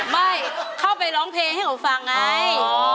ไม่เข้าไปร้องเพลงให้หนูฟังไง